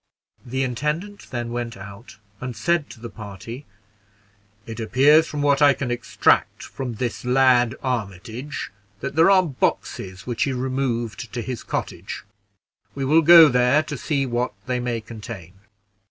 The intendant then went out and said to the party, "It appears from what I can extract from this lad Armitage, that there are boxes which he removed to his cottage; we will go there to see what they may contain.